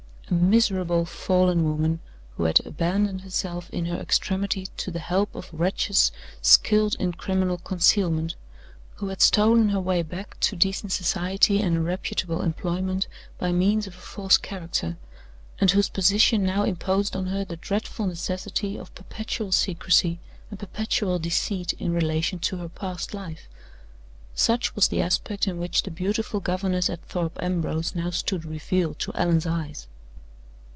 A miserable, fallen woman, who had abandoned herself in her extremity to the help of wretches skilled in criminal concealment, who had stolen her way back to decent society and a reputable employment by means of a false character, and whose position now imposed on her the dreadful necessity of perpetual secrecy and perpetual deceit in relation to her past life such was the aspect in which the beautiful governess at Thorpe Ambrose now stood revealed to Allan's eyes!